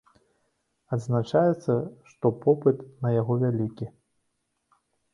Адзначаецца, што попыт на яго вялікі.